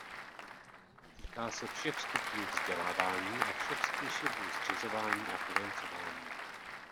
Týká se všech stupňů vzdělávání a všech způsobů zřizování a financování.